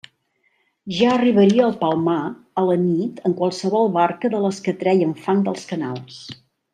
Ja arribaria al Palmar a la nit en qualsevol barca de les que treien fang dels canals.